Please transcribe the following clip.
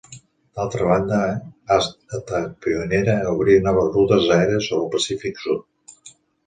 D'altra banda, ha estat pionera a obrir noves rutes aèries sobre el Pacífic sud.